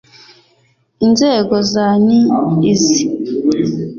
Inzego za ni izi